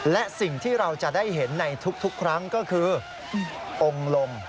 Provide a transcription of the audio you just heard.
และสิ่งที่เราจะได้เห็นในทุกครั้งก็คือองค์ลม